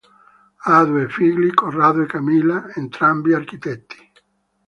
Ha due figli, Corrado e Camilla, entrambi architetti.